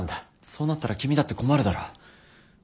そうなったら君だって困るだろ？